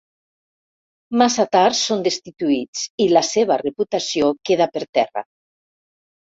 Massa tard, són destituïts i la seva reputació queda per terra.